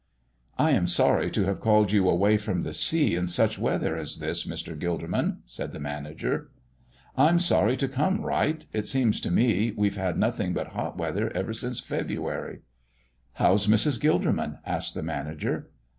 "I am sorry to have called you away from the sea in such weather as this, Mr. Gilderman," said the manager. "I'm sorry to come, Wright. It seems to me we've had nothing but hot weather ever since February." "How's Mrs. Gilderman?" asked the manager.